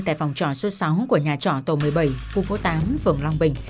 tại phòng trò số sáu của nhà trò tổ một mươi bảy khu phố tám phường long bình